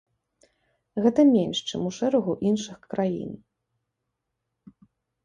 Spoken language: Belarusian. Гэта менш, чым у шэрагу іншых краін.